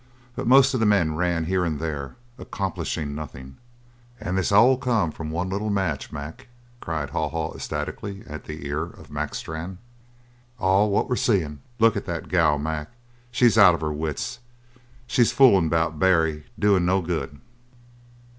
But most of them ran here and there, accomplishing nothing. "An' all this come from one little match, Mac," cried Haw Haw ecstatically at the ear of Mac Strann. "All what we're seein'! Look at the gal, Mac! She's out of her wits! She's foolin' about Barry, doin' no good."